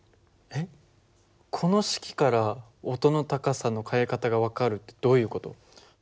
えっこの式から音の高さの変え方が分かるってどういう事？